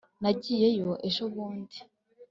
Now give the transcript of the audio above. nagiyeyo ejobundi